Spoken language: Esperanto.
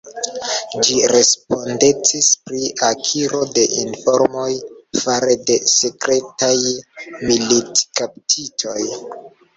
Ĝi respondecis pri akiro de informoj fare de sekretaj militkaptitoj.